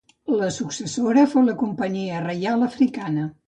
La successora fou la Companyia Reial Africana.